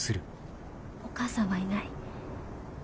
お母さんはいない。